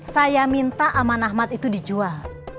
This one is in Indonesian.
saya minta aman ahmad itu dijual